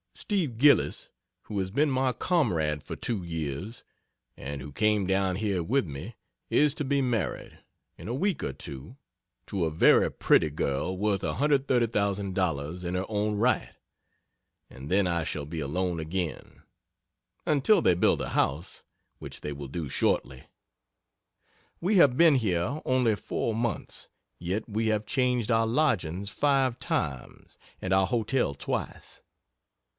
Steve Gillis, who has been my comrade for two years, and who came down here with me, is to be married, in a week or two, to a very pretty girl worth $130,000 in her own right and then I shall be alone again, until they build a house, which they will do shortly. We have been here only four months, yet we have changed our lodgings five times, and our hotel twice.